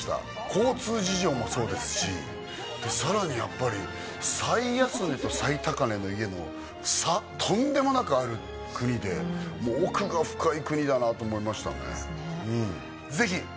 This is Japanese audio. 交通事情もそうですし、さらにやっぱり、最安値と最高値の家の差、とんでもなくある国で、もう奥が深い国だなと思いましたね。